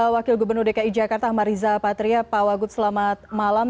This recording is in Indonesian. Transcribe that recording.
wakil gubernur dki jakarta mariza patria pak wagub selamat malam